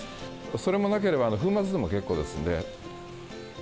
それもなければ粉末でも結構ですんで。